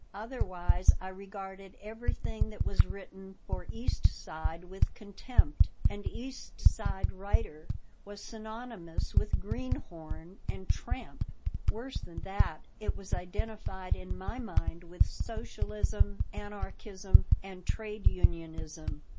Otherwise I regarded everything that was written for the East Side with contempt, and "East Side writer" was synonymous with "greenhorn" and "tramp." Worse than that, it was identified in my mind with socialism, anarchism, and trade unionism.